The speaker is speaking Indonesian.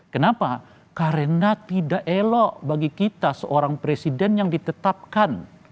kenapa karena tidak elok bagi kita seorang presiden yang ditetapkan